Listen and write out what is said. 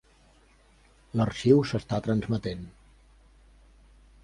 L'arxiu s'està transmetent.